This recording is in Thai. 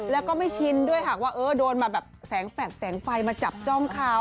แล้วก็ไม่ชินด้วยค่ะว่าเออโดนแสงแฟนแสงไฟมาจับจ้องเค้า